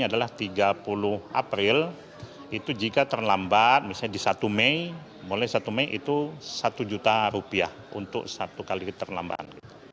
yang terlambat itu dikenakan